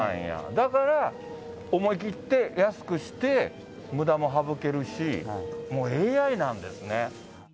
だから思い切って安くして、むだも省けるし、もうＡＩなんですね。